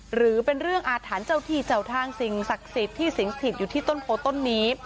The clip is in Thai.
หรือเป็นเรื่องอาถรรพ์เจ้าที่เจ้าทางสิ่งศักดิ์สิทธิ์ที่สิงถิตอยู่ที่ต้นโพต้นนี้